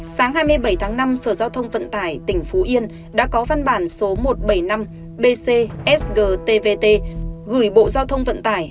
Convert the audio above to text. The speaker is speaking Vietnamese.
sáng hai mươi bảy tháng năm sở giao thông vận tải tp hcm đã có văn bản số một trăm bảy mươi năm bcsgtvt gửi bộ giao thông vận tải